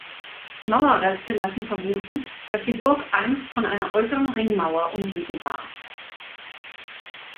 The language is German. Mauerreste lassen vermuten, dass die Burg einst von einer äußeren Ringmauer umgeben war.